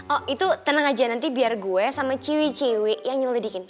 oh itu tenang aja nanti biar gue sama ciwi ciwi yang nyelidikin